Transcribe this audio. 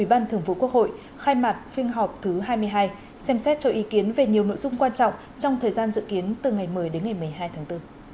ủy ban thường vụ quốc hội khai mạc phiên họp thứ hai mươi hai xem xét cho ý kiến về nhiều nội dung quan trọng trong thời gian dự kiến từ ngày một mươi đến ngày một mươi hai tháng bốn